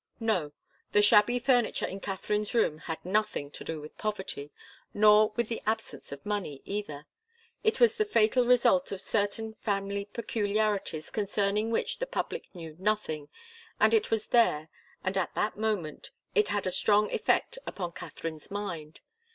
No. The shabby furniture in Katharine's room had nothing to do with poverty, nor with the absence of money, either. It was the fatal result of certain family peculiarities concerning which the public knew nothing, and it was there, and at that moment it had a strong effect upon Katharine's mind.